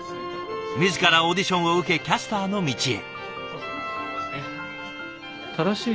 自らオーディションを受けキャスターの道へ。